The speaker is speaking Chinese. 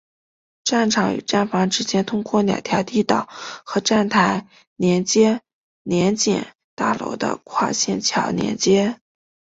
站场与站房之间通过两条地道和站台联接联检大楼的跨线桥连接。